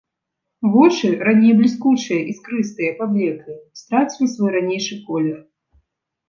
Вочы, раней бліскучыя, іскрыстыя, паблеклі, страцілі свой ранейшы колер.